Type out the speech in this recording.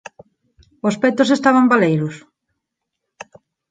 Os petos estaban baleiros?